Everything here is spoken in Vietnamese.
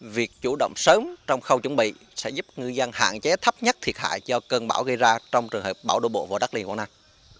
việc chủ động sớm trong khâu chuẩn bị sẽ giúp ngư dân hạn chế thấp nhất thiệt hại do cơn bão gây ra trong trường hợp bão đổ bộ vào đất liền quảng nam